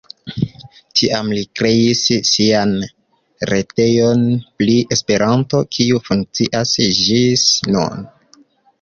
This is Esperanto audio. Tiam li kreis sian retejon pri Esperanto, kiu funkcias ĝis nun.